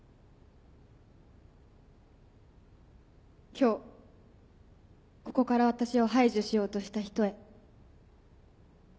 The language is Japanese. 今日ここから私を排除しようとした人へ。